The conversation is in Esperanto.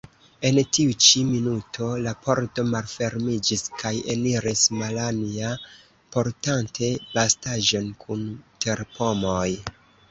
En tiu ĉi minuto la pordo malfermiĝis kaj eniris Malanja, portante bastaĵon kun terpomoj.